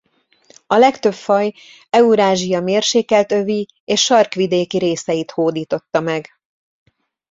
A legtöbb faj Eurázsia mérsékelt övi és sarkvidéki részeit hódította meg.